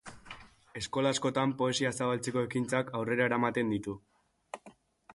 Eskola askotan poesia zabaltzeko ekintzak aurrera eramaten ditu.